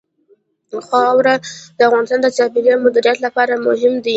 خاوره د افغانستان د چاپیریال د مدیریت لپاره مهم دي.